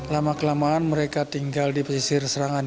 lama kelamaan mereka tinggal di pesisir serangan